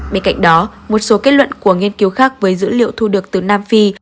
bên cạnh đó một số kết luận của nghiên cứu khác với dữ liệu thu được từ nam phi